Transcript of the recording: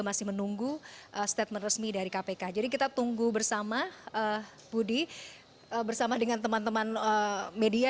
masih menunggu statement resmi dari kpk jadi kita tunggu bersama budi bersama dengan teman teman media